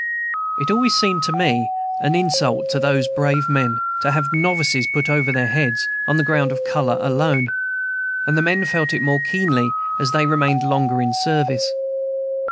It always seemed to me an insult to those brave men to have novices put over their heads, on the ground of color alone; and the men felt it the more keenly as they remained longer in service.